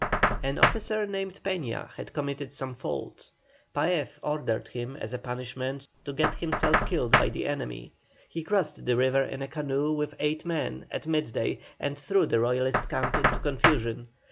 An officer named Peña had committed some fault. Paez ordered him as a punishment to get himself killed by the enemy. He crossed the river in a canoe with eight men, at midday, and threw the Royalist camp into confusion.